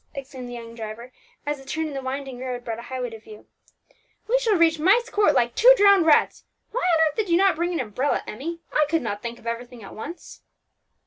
exclaimed the young driver, as a turn in the winding road brought a highway to view. "We shall reach Myst Court like two drowned rats. Why on earth did you not bring an umbrella, Emmie? I could not think of everything at once."